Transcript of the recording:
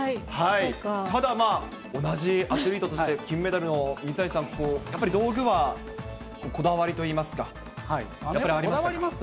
ただ同じアスリートとして、金メダルの水谷さん、やっぱり道具はこだわりといいますか、やっぱりありましたか。